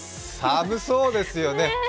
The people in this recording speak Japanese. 寒そうですよね。